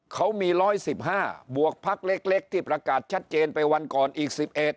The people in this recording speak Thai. เขามี๑๑๕บวกพักเล็กที่ประกาศชัดเจนไปวันก่อนอีก๑๑